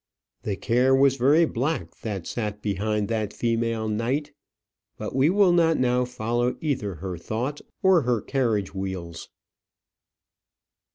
The care was very black that sat behind that female knight. But we will not now follow either her thoughts or her carriage wheels.